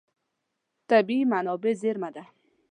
طبیعي منابع زېرمه ده.